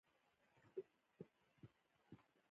🩴څپلۍ